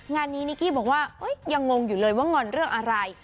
งานนี้นิกกี้บอกว่ายังงงอยู่เลยว่างอนเรื่องอะไร